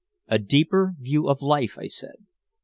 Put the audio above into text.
"A deeper view of life," I said.